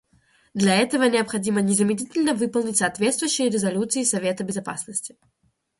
Для этого необходимо незамедлительно выполнить соответствующие резолюции Совета Безопасности.